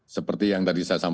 seperti yang tadi saya sampaikan